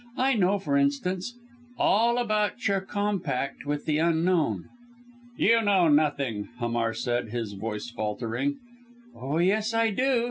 I know for instance all about your Compact with the Unknown!" "You know nothing," Hamar said, his voice faltering. "Oh, yes, I do!"